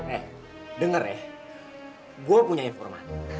eh denger ya gue punya informa